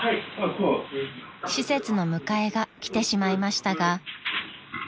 ［施設の迎えが来てしまいましたが］